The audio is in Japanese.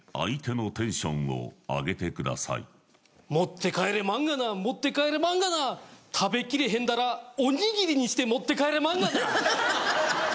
持ってかえれまんがな持ってかえれまんがな食べきれへんだらおにぎりにして持って帰れまんがな。